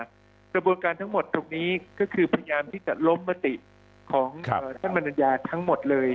กระบวนการทั้งหมดตรงนี้ก็คือพยายามที่จะล้มมติของท่านมนัญญาทั้งหมดเลย